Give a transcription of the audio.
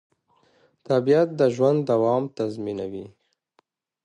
طبیعت د ژوند دوام تضمینوي